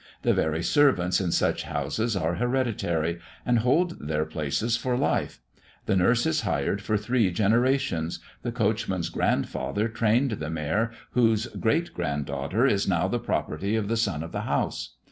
The very servants in such houses are hereditary, and hold their places for life; the nurse is hired for three generations; the coachman's grandfather trained the mare whose great grand daughter is now the property of the son of the house.